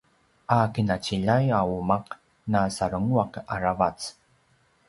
a qinaciljay a umaq na sarenguaq aravac